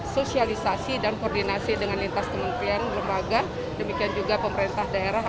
sosialisasi dan koordinasi dengan lintas kementerian lembaga demikian juga pemerintah daerah